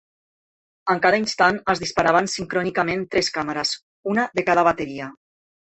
En cada instant es disparaven sincrònicament tres càmeres, una de cada bateria.